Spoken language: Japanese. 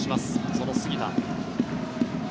その杉田。